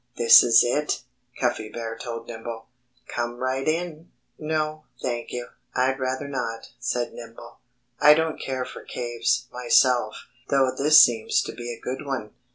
"This is it," Cuffy Bear told Nimble. "Come right in!" "No, thank you. I'd rather not," said Nimble. "I don't care for caves, myself, though this seems to be a good one."